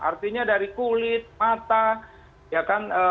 artinya dari kulit mata ya kan